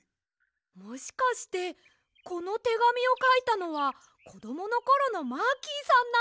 もしかしてこのてがみをかいたのはこどものころのマーキーさんなのでは？